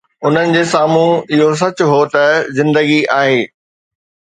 انهن جي سامهون اهو سچ هو ته زندگي آهي.